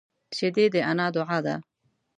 شیدې د انا دعا ده